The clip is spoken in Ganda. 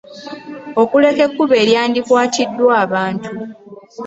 Okuleka ekkubo eryandikwatiddwa abantu.